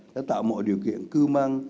đã tạo mọi điều kiện cư măng